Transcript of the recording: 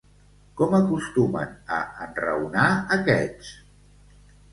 Com acostumen a enraonar aquests?